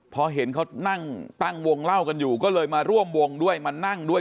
พอเห็นเขานั่งตั้งวงเล่ากันอยู่ก็เลยมาร่วมวงด้วยมานั่งด้วย